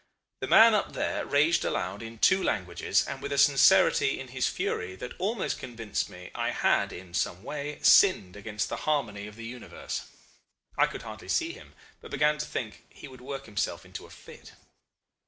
The man up there raged aloud in two languages, and with a sincerity in his fury that almost convinced me I had, in some way, sinned against the harmony of the universe. I could hardly see him, but began to think he would work himself into a fit.